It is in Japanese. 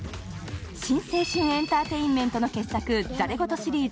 新青春エンターテインメントの傑作戯言シリーズ